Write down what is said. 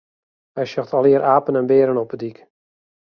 Hy sjocht allegear apen en bearen op 'e dyk.